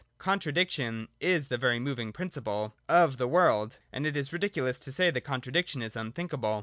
Contradiction is the very moving principle of the world : and it is ridiculous to say that contradiction is un thinkable.